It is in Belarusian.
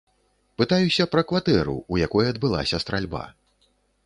Пытаюся пра кватэру, у якой адбылася стральба.